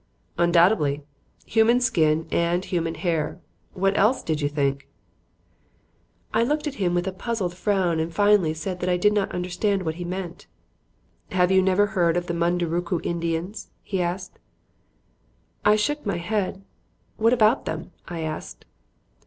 "Undoubtedly. Human skin and human hair. What else did you think?" I looked at him with a puzzled frown and finally said that I did not understand what he meant. "Have you never heard of the Mundurucú Indians?" he asked. I shook my head. "What about them?" I asked.